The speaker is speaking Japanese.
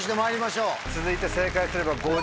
続いて正解すれば。